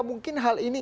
mungkin hal ini